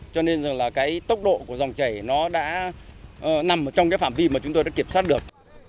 cho nên là cái tốc độ của dòng chảy nó đã nằm trong cái phạm vi mà chúng tôi đã kiểm soát được